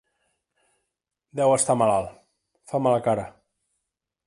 Deu estar malalt: fa mala cara.